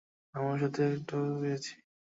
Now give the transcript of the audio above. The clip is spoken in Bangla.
আমরা সাথে এটাও পেয়েছি।